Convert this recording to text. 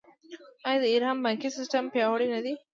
آیا د ایران بانکي سیستم پیاوړی نه دی؟